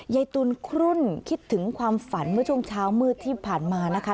ยายตุลครุ่นคิดถึงความฝันเมื่อช่วงเช้ามืดที่ผ่านมานะคะ